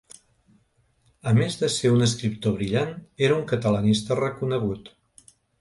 A més des ser un escriptor brillant, era un catalanista reconegut.